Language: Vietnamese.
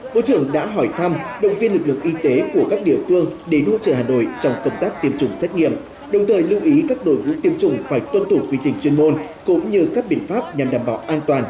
bộ trưởng đã hỏi thăm động viên lực lượng y tế của các địa phương để luôn trở hà nội trong công tác tiêm chủng xét nghiệm đồng thời lưu ý các đội ngũ tiêm chủng phải tuân thủ quy trình chuyên môn cũng như các biện pháp nhằm đảm bảo an toàn